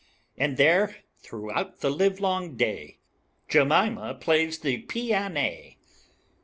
And there throughout the livelong day, Jemima plays the pi a na.